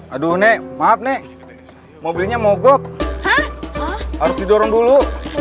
aduh nek maaf nek mobilnya mogok harus didorong dulu